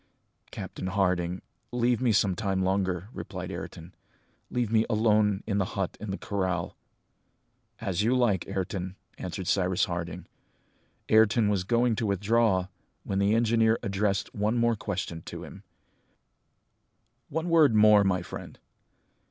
"Captain Harding, leave me some time longer," replied Ayrton, "leave me alone in the hut in the corral!" "As you like, Ayrton," answered Cyrus Harding. Ayrton was going to withdraw, when the engineer addressed one more question to him: "One word more, my friend.